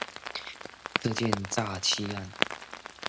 這件詐欺案